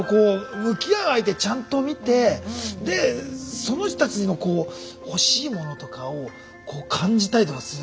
向き合う相手ちゃんと見てでその人たちのこう欲しいものとかをこう感じたりとかする。